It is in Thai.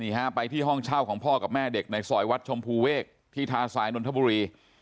ฮะไปที่ห้องเช่าของพ่อกับแม่เด็กในซอยวัดชมพูเวกที่ทาสายนนทบุรี